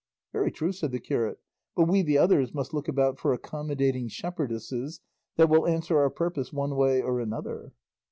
"Very true," said the curate; "but we the others must look about for accommodating shepherdesses that will answer our purpose one way or another."